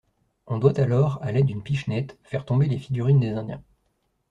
On doit alors, à l'aide d'une pichenette, faire tomber les figurines des indiens.